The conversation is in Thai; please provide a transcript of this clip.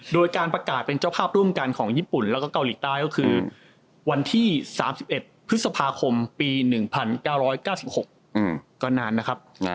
โดยการประกาศเป็นเจ้าภาพร่วมกันของญี่ปุ่นแล้วก็เกาหลีใต้ก็คือวันที่๓๑พฤษภาคมปี๑๙๙๖ก็นานนะครับ